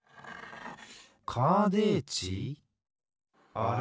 あれ？